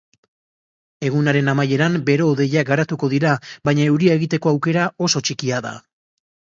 Egunaren amaieran bero-hodeiak garatuko dira, baina euria egiteko aukera oso txikia da.